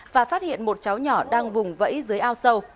và phát hiện một cháu nhỏ đang vùng vẫy dưới ao sâu